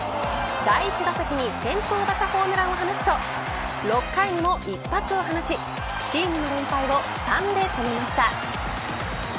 第１打席に先頭打者ホームランを放つと６回にも一発を放ちチームの連敗を３で止めました。